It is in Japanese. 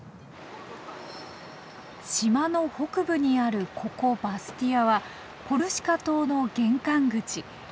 島の北部にあるここバスティアはコルシカ島の玄関口。